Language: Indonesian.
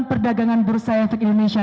perdagangan bursa efek indonesia